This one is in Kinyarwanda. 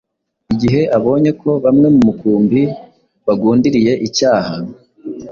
Igihe abonye ko bamwe mu mukumbi bagundiriye icyaha,